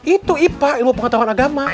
itu ipa ilmu pengetahuan agama